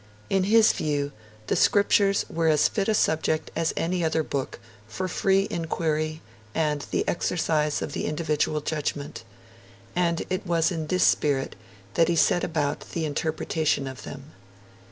In his view, the Scriptures were as fit a subject as any other book for free inquiry and the exercise of the individual judgment, and it was in this spirit that he set about the interpretation of them.